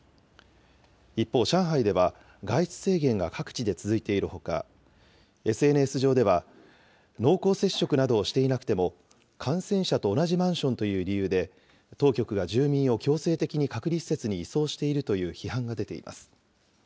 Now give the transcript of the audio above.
一方、上海では外出制限が各地で続いているほか、ＳＮＳ上では、濃厚接触などをしていなくても、感染者と同じマンションという理由で、当局が住民を強制的に隔離施設に移送しているという批判が出ています。